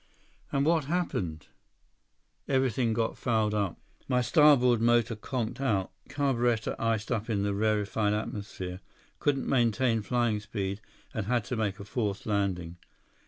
"And what happened?" "Everything got fouled up. My starboard motor conked out. Carburetor iced up in the rarefied atmosphere. Couldn't maintain flying speed and had to make a forced landing.